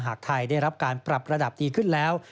หากไทยได้รับการปรับระดับดีขึ้นแล้ว